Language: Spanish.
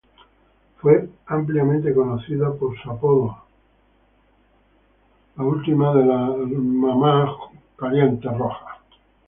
Fue ampliamente conocida por su apodo, "The Last of the Red Hot Mamas.